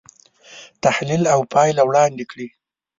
تحلیل او پایله وړاندې کړي.